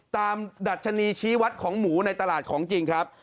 ดัชนีชี้วัดของหมูในตลาดของจริงครับ